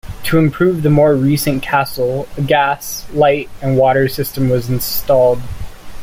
To improve the more recent castle, a gas, light, and water system was installed.